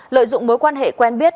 lợi dụng mối quan hệ quen biết